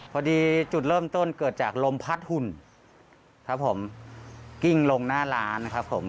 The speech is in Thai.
พอดีจุดเริ่มต้นเกิดจากลมพัดหุ่นครับผมกิ้งลงหน้าร้านนะครับผม